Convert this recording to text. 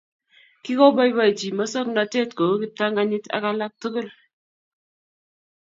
Kikoboibochi masongnatet kou kiptanganyit ak alak tukul